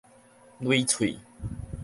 褸碎